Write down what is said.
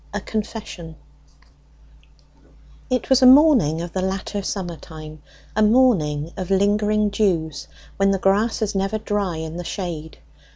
A CONFESSION It was a morning of the latter summer time; a morning of lingering dews, when the grass is never dry in the shade.